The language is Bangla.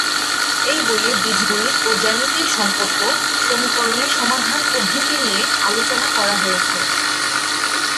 এই বইয়ে বীজগণিত ও জ্যামিতির সম্পর্ক, সমীকরণের সমাধান প্রভৃতি নিয়ে আলোচনা করা হয়েছে।